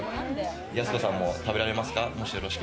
やす子さんも食べられますか？